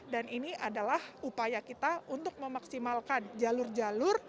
dan ini adalah upaya kita untuk memaksimalkan jalur jalur